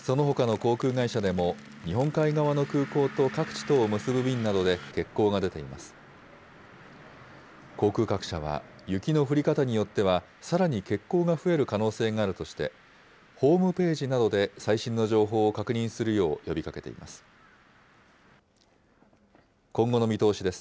航空各社は、雪の降り方によってはさらに欠航が増える可能性があるとして、ホームページなどで最新の情報を確認するよう呼びかけています。